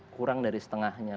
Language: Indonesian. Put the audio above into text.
kurang dari setengahnya